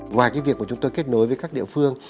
ngoài việc chúng tôi kết nối với các địa phương